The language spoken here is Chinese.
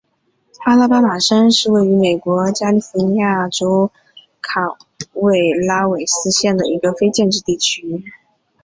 阿拉巴马山是位于美国加利福尼亚州卡拉韦拉斯县的一个非建制地区。